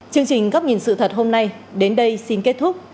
chương trình góc nhìn sự thật hôm nay đến đây xin kết thúc